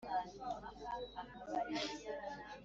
Barabasubiza bati Ari yo dore ari imbere yanyu